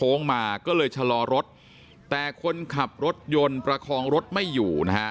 มาก็เลยชะลอรถแต่คนขับรถยนต์ประคองรถไม่อยู่นะฮะ